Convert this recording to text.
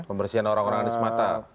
pembersihan orang orang di sumatera